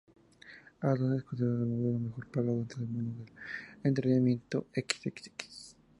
Adam es considerado el modelo mejor pago dentro del mundo del entretenimiento xxx.